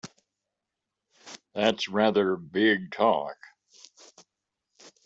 That's rather big talk!